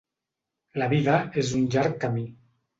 La vida és un llarg camí.